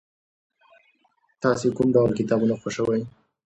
تاسې کوم ډول کتابونه خوښوئ؟